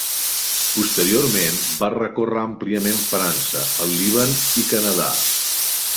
Posteriorment va recórrer àmpliament França, el Líban i Canadà.